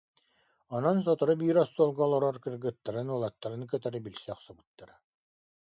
Онон сотору биир остуолга олорор кыргыттарын, уолаттарын кытары билсэ охсубуттара